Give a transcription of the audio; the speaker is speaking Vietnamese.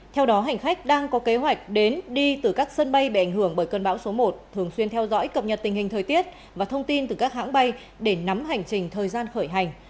theo đó hành khách đang có kế hoạch đến đi từ các sân bay bị ảnh hưởng bởi cơn bão số một thường xuyên theo dõi cập nhật tình hình thời tiết và thông tin từ các hãng bay để nắm hành trình thời gian khởi hành